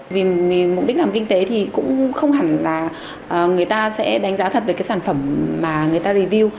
vì mục đích làm kinh tế thì cũng không hẳn là người ta sẽ đánh giá thật về cái sản phẩm mà người ta review